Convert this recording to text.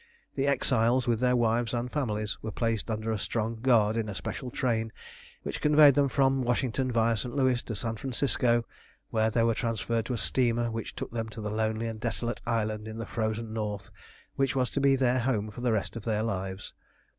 The exiles, with their wives and families, were placed under a strong guard in a special train, which conveyed them from Washington viâ St. Louis to San Francisco, where they were transferred to a steamer which took them to the lonely and desolate island in the frozen North which was to be their home for the rest of their lives.